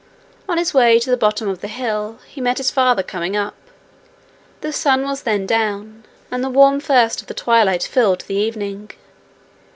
On his way to the bottom of the hill, he met his father coming up. The sun was then down, and the warm first of the twilight filled the evening.